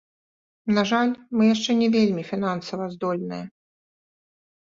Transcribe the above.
На жаль мы яшчэ не вельмі фінансава здольныя.